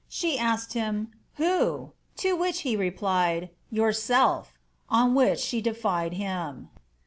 She asked him, ^ Who ?^ to which he replied, ^ Yourself^' on which she defied him.""